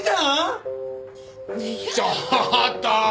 ちょっと！